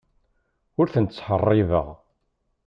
Ur ten-ttḥeṛṛibeɣ.